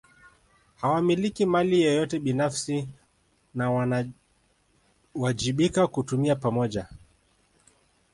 Hawamiliki mali yeyote binafsi na wanawajibika kutumia pamoja